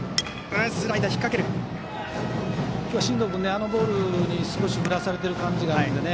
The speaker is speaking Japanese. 今日は進藤君、あのボールに振らされている感じがあります。